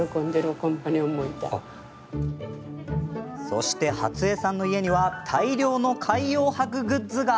そして、初枝さんの家には大量の海洋博グッズが。